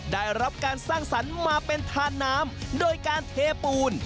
ได้รับการสร้างสรรค์มาเป็นทานน้ำโดยการเทปูน